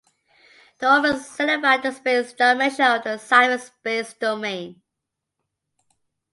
The orbits signify the space dimension of the cyberspace domain.